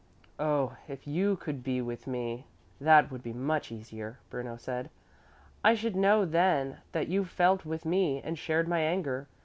"Oh, if you could be with me, that would be much easier," Bruno said. "I should know then that you felt with me and shared my anger.